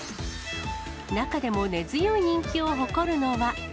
中でも根強い人気を誇るのは。